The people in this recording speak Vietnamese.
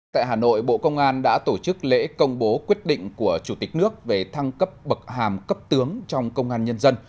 tại hà nội bộ công an đã tổ chức lễ công bố quyết định của chủ tịch nước về thăng cấp bậc hàm cấp tướng trong công an nhân dân